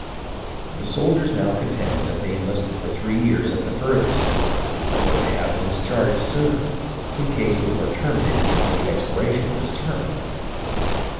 The soldiers now contend that they enlisted for three years at furthest, and were to have been dis charged sooner, in case the war terminated before the expiration of this term.